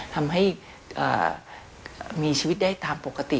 ทำให้มีชีวิตได้ตามปกติ